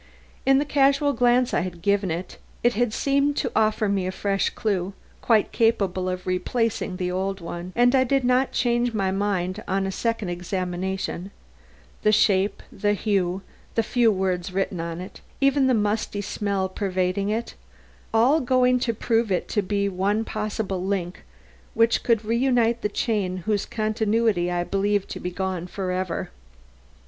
In the casual glance I had given it, it had seemed to offer me a fresh clue, quite capable of replacing the old one; and I did not change my mind on a second examination; the shape, the hue, the few words written on it, even the musty smell pervading it, all going to prove it to be the one possible link which could reunite the chain whose continuity I had believed to be gone for ever.